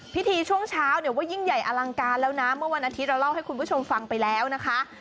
ช่วงเช้าเนี่ยว่ายิ่งใหญ่อลังการแล้วนะเมื่อวันอาทิตย์เราเล่าให้คุณผู้ชมฟังไปแล้วนะคะ